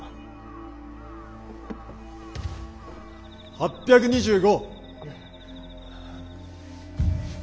８２５。